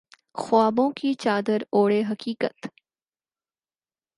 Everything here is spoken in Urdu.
خوابوں کی چادر اوڑھے حقیقت